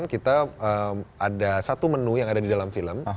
kita ada satu menu yang ada di dalam film